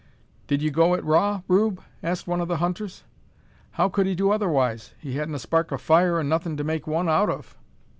"Did you go it raw, Rube?" asked one of the hunters. "How could he do otherwise? He hadn't a spark o' fire, an' nothing to make one out of."